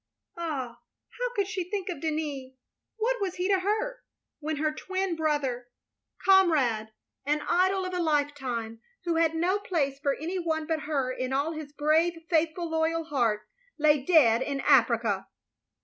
Ah, how could she think of Denis — ^what was he to her — ^when her twin brother, comrade, and 3i6 THE LONELY LADY idol of a lifetime, who had no place for any one but her in all his brave, faithftd, loyal heart — lay dead in Africa!